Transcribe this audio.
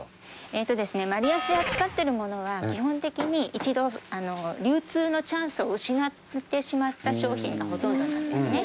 えっとですねマルヤスで扱ってるものは基本的に一度流通のチャンスを失ってしまった商品がほとんどなんですね。